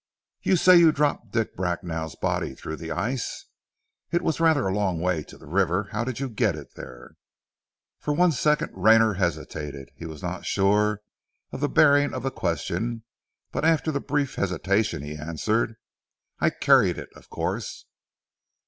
"You say you dropped Dick Bracknell's body through the ice? It was rather a long way to the river. How did you get it there?" For one second Rayner hesitated. He was not sure of the bearing of the question, but after the brief hesitation he answered, "I carried it, of course."